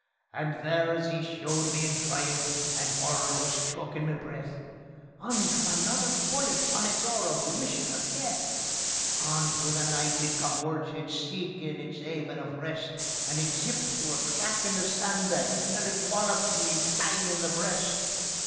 And there as 'e showed me in triumph, and 'orror was chokin' me breath, On came another bullet on its 'orrible mission of death; On through the night it cavorted, seekin' its 'aven of rest, And it zipped through a crack in the sandbags, and it wolloped me bang on the breast.